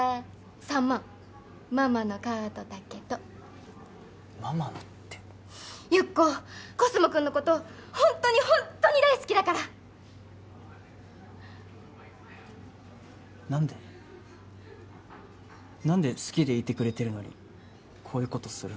３万ママのカードだけどママのってゆっこコスモくんのことほんとにほんっとに大好きだからなんでなんで好きでいてくれてるのにこういうことするの？